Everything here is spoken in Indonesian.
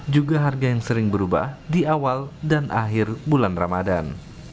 juga harga yang sering berubah di awal dan akhir bulan ramadan